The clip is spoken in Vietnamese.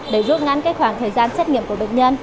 để rút ngăn cái khoảng thời gian xét nghiệm của bệnh nhân